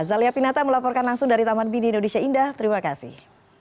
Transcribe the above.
zalia pinata melaporkan langsung dari taman mini indonesia indah terima kasih